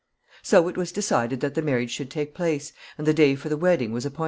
] So it was decided that the marriage should take place, and the day for the wedding was appointed.